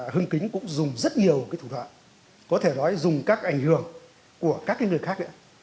hưng kính cũng dùng rất nhiều thủ đoạn có thể nói dùng các ảnh hưởng của các người khác